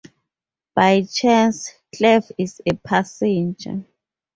By chance, Cleve is a passenger.